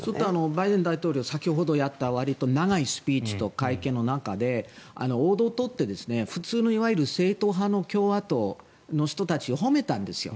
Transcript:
バイデン大統領先ほどやったわりと長いスピーチと会見の中で王道を通って普通の正統派の共和党の人たちをほめたんですよ。